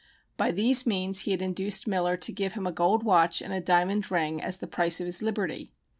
By these means he had induced Miller to give him a gold watch and a diamond ring as the price of his liberty.